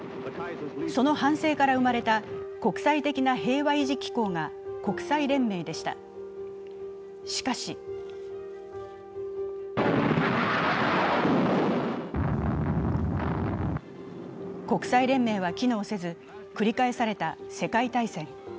その反省から生まれた国際的な平和維持機構が国際連盟でした、しかし国際連盟は機能せず、繰り返された世界大戦。